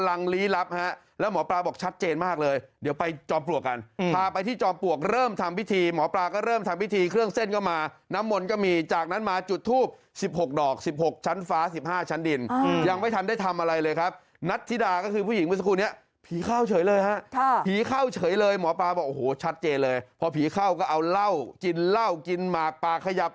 อาการผีเข้ามันออกฤทธิ์ออกเดทแบบชัดเต็มตาเลยครับ